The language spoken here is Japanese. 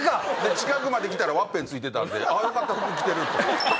近くまで来たらワッペン付いてたんで「あよかった服着てる」。